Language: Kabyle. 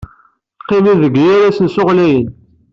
Qqimen deg yal asensu ɣlayen.